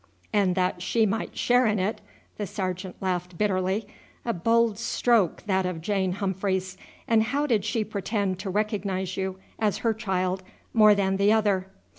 "And that she might share in it!" the sergeant laughed bitterly. "A bold stroke that of Jane Humphreys. And how did she pretend to recognize you as her child more than the other?"